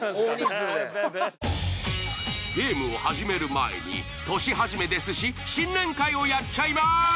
ゲームを始める前に年初めですし新年会をやっちゃいます！